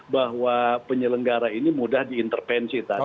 bahwa penyelenggara ini mudah diintervensi tadi